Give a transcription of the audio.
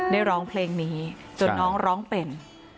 ร้องเพลงนี้จนน้องร้องเป็น